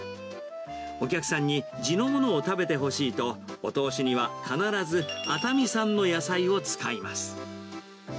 お客さんに地のものを食べてほしいと、お通しには必ず、熱海産の野菜を使います。